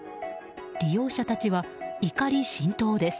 利用者たちは怒り心頭です。